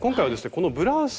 このブラウス